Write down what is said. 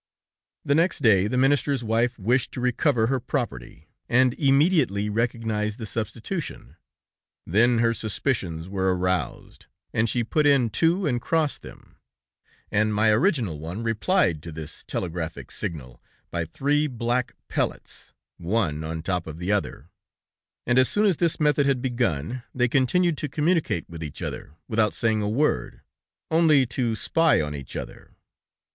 "The next day, the minister's wife wished to recover her property, and immediately recognized the substitution. Then her suspicions were aroused, and she put in two and crossed them, and my original one replied to this telegraphic signal by three black pellets, one on the top of the other, and as soon as this method had begun, they continued to communicate with one another, without saying a word, only to spy on each other.